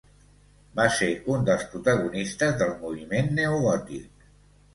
Va ser un dels protagonistes del moviment neogòtic.